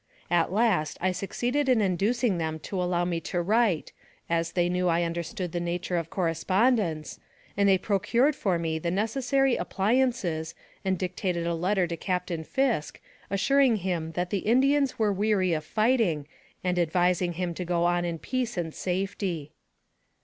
At last I succeeded in inducing them to allow me to write, as they knew I understood the nature of correspond ence, and they procured for me the necessary appliances and dictated a letter to Captain Fisk, assuring him that the Indians were weary of fighting, and advising him to go on in peace and safety.